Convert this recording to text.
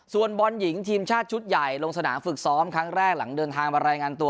ส่วนบอลหญิงทีมชาติชุดใหญ่ลงสนามฝึกซ้อมครั้งแรกหลังเดินทางมารายงานตัว